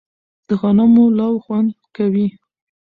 د غنمو لو خوند کوي